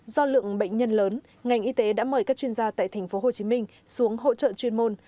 do lượng bệnh nhân lớn ngành y tế đã mời các chuyên gia tại tp hcm xuống hỗ trợ chuyên môn